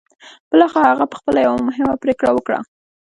بالاخره هغه پخپله يوه مهمه پرېکړه وکړه.